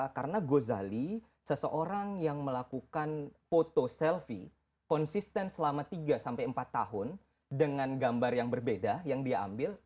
karena gozali seseorang yang melakukan foto selfie konsisten selama tiga sampai empat tahun dengan gambar yang berbeda yang dia ambil